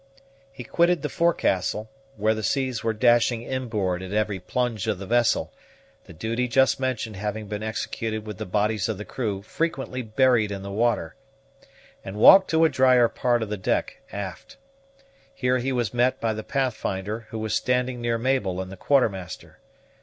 He quitted the forecastle, where the seas were dashing inboard at every plunge of the vessel, the duty just mentioned having been executed with the bodies of the crew frequently buried in the water, and walked to a drier part of the deck, aft. Here he was met by the Pathfinder, who was standing near Mabel and the Quartermaster.